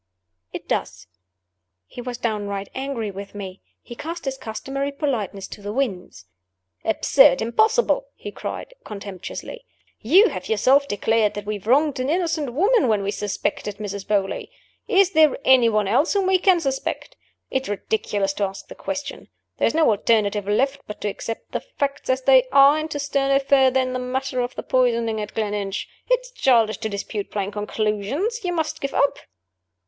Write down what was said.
"It does." He was downright angry with me. He cast his customary politeness to the winds. "Absurd! impossible!" he cried, contemptuously. "You have yourself declared that we wronged an innocent woman when we suspected Mrs. Beauly. Is there any one else whom we can suspect? It is ridiculous to ask the question. There is no alternative left but to accept the facts as they are, and to stir no further in the matter of the poisoning at Gleninch. It is childish to dispute plain conclusions. You must give up."